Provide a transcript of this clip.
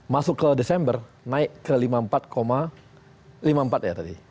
masuk ke desember naik ke lima puluh empat lima puluh empat ya tadi